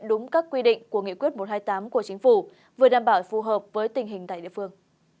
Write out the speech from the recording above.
đúng các quy định của nghị quyết một trăm hai mươi tám của chính phủ vừa đảm bảo phù hợp với tình hình tại địa phương